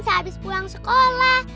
sehabis pulang sekolah